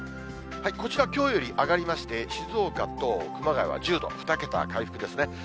こちら、きょうより上がりまして、静岡と熊谷は１０度、２桁回復ですね。